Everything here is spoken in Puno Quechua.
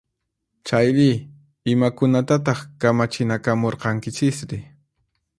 Chayri, imakunatataq kamachinakamurqankichisri?